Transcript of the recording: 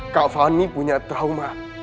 kak fani punya trauma